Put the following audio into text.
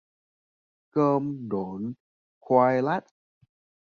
Cơm độn khoai lát